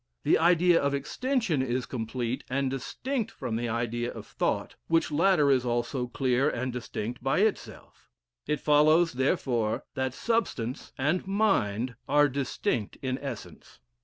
The idea of extension is complete and distinct from the idea of thought, which latter is also clear and distinct by itself. It follows, therefore, that substance and mind are distinct in essence."